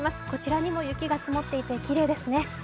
こちらにも雪が積もっていて、きれいですね。